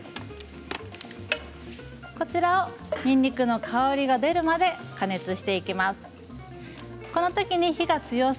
こちらをにんにくの香りが出るまで加熱していきます。